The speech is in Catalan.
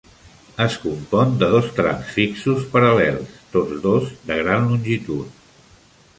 Es compon de dos trams fixos paral.lels, tots dos de gran longitud.